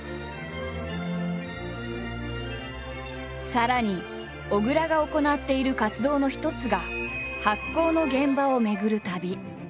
さらに小倉が行っている活動の一つが発酵の現場を巡る旅。